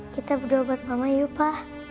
kita berdoa buat mama yuk pa